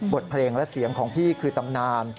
บทเพลงและเสียงของพี่คือตำนาน